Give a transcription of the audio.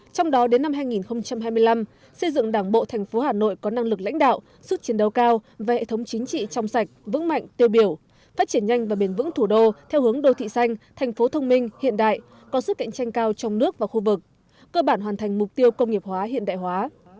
trong đó đến năm hai nghìn hai mươi năm xây dựng đảng bộ thành phố hà nội có năng lực lãnh đạo sức chiến đấu cao và hệ thống chính trị trong sạch vững mạnh tiêu biểu phát triển nhanh và bền vững thủ đô theo hướng đô thị xanh thành phố thông minh hiện đại có sức cạnh tranh cao trong nước và khu vực cơ bản hoàn thành mục tiêu công nghiệp hóa hiện đại hóa